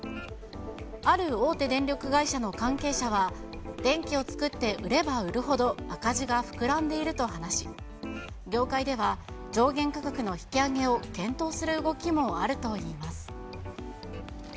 ある大手電力会社の関係者は、電気を作って売れば売るほど赤字が膨らんでいると話し、業界では上限価格の引き上げを検討する動きもあるといいます。